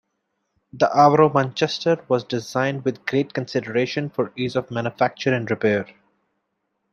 The Avro Manchester was designed with great consideration for ease of manufacture and repair.